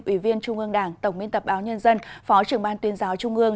ủy viên trung ương đảng tổng biên tập báo nhân dân phó trưởng ban tuyên giáo trung ương